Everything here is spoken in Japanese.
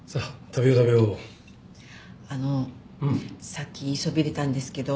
さっき言いそびれたんですけど。